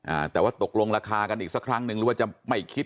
อ่าแต่ว่าตกลงราคากันอีกสักครั้งนึงหรือว่าจะไม่คิด